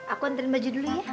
aku antren baju dulu ya